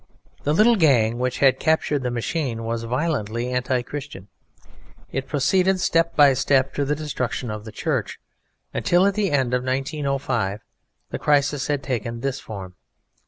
The little gang which had captured the machine was violently anti Christian; it proceeded step by step to the destruction of the Church, until at the end of 1905 the crisis had taken this form.